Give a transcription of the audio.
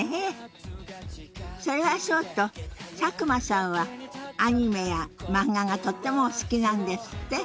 それはそうと佐久間さんはアニメや漫画がとってもお好きなんですって？